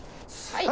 はい！